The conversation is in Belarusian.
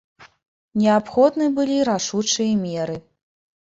Неабходны былі рашучыя меры.